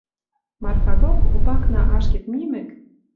Марфа док Опакна ашкед мимӹк